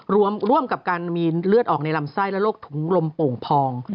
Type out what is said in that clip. ร่วมกับการมีเลือดออกในลำไส้และโรคถุงลมโป่งพอง